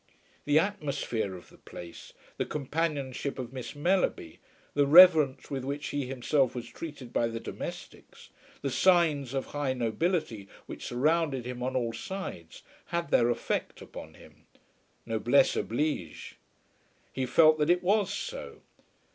The atmosphere of the place, the companionship of Miss Mellerby, the reverence with which he himself was treated by the domestics, the signs of high nobility which surrounded him on all sides, had their effect upon him. Noblesse oblige. He felt that it was so.